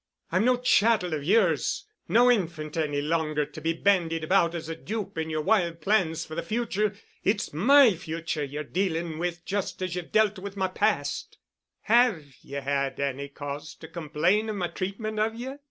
"I'm no chattel of yours, no infant any longer, to be bandied about as a dupe in your wild plans for the future. It's my future you're dealing with just as you've dealt with my past——" "Have ye had any cause to complain of my treatment of ye?"